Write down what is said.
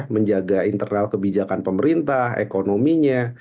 menjaga internal kebijakan pemerintah ekonominya